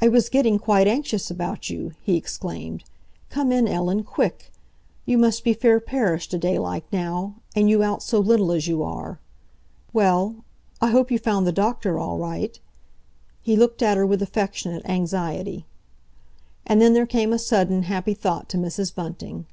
"I was getting quite anxious about you," he exclaimed. "Come in, Ellen, quick! You must be fair perished a day like now—and you out so little as you are. Well? I hope you found the doctor all right?" He looked at her with affectionate anxiety. And then there came a sudden, happy thought to Mrs. Bunting.